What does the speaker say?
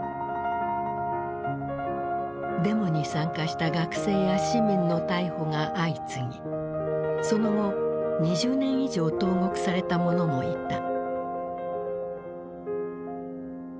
デモに参加した学生や市民の逮捕が相次ぎその後２０年以上投獄された者もいた。